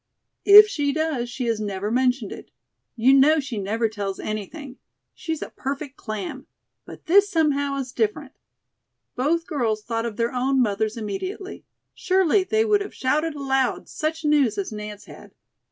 "If she does, she has never mentioned it. You know she never tells anything. She's a perfect clam. But this, somehow, is different." Both girls thought of their own mothers immediately. Surely they would have shouted aloud such news as Nance had.